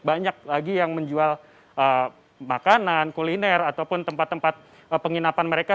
banyak lagi yang menjual makanan kuliner ataupun tempat tempat penginapan mereka